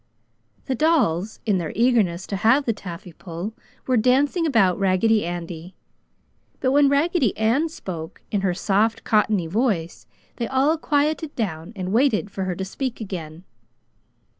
The dolls, in their eagerness to have the taffy pull, were dancing about Raggedy Andy, but when Raggedy Ann spoke, in her soft cottony voice, they all quieted down and waited for her to speak again.